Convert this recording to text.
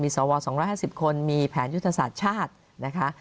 สว๒๕๐คนมีแผนยุทธศาสตร์ชาตินะคะ